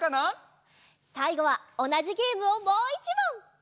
さいごはおなじゲームをもう１もん！